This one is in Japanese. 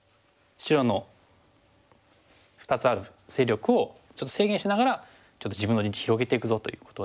白の２つある勢力をちょっと制限しながらちょっと自分の陣地広げていくぞということで。